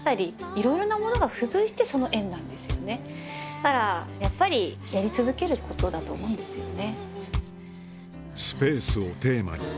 だからやっぱりやり続けることだと思うんですよね。